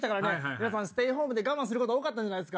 皆さんやっぱステイホームで我慢すること多かったんじゃないです